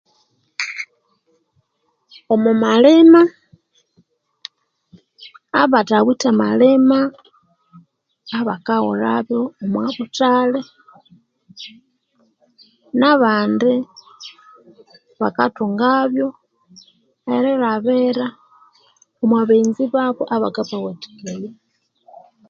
Omumali abathawithe malima abakaghulhabyo omwa buthali nabandi bakathungabyo erilhabira omwa baghenzi babo abakabawathikaya